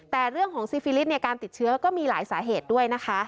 แต่เรื่องของซีฟิลิสการติดเชื้อก็มีหลายสาเหตุด้วยนะคะ